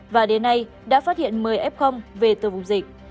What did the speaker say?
và đến nay đã phát hiện một mươi f về từ vùng dịch